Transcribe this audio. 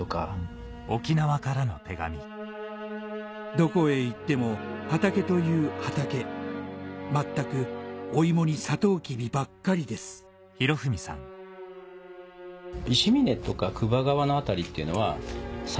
「どこへ行っても畑という畑」「全くお芋にサトウキビばっかりです」ありますあります。